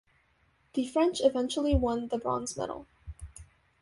The French eventually won the bronze medal.